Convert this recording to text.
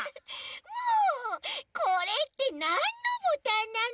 もうこれってなんのボタンなの？